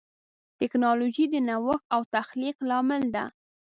ټکنالوجي د نوښت او تخلیق لامل ده.